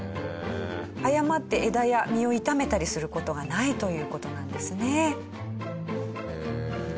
誤って枝や実を傷めたりする事がないという事なんですね。